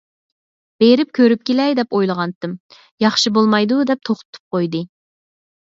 بېرىپ كۆرۈپ كېلەي دەپ ئويلىغانتىم. ياخشى بولمايدۇ، دەپ توختىتىپ قويدى.